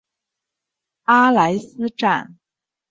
阿莱斯站。